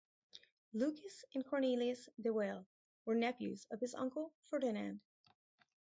Lucas and Cornelis de Wael were nephews of his uncle Ferdinand.